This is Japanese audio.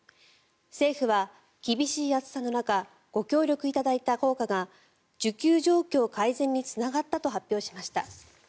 政府は、厳しい暑さの中ご協力いただいた効果が需給状況改善につながったと話しました。